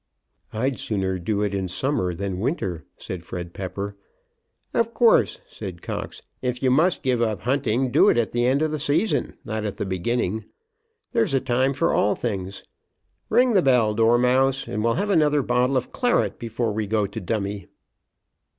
"I'd sooner do it in summer than winter," said Fred Pepper. "Of course," said Cox. "If you must give up hunting, do it at the end of the season, not at the beginning. There's a time for all things. Ring the bell, Dormouse, and we'll have another bottle of claret before we go to dummy."